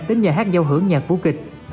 đến nhà hát giao hưởng nhạc vũ kịch